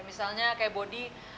misalnya kayak bodi